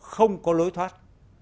không có lối thoát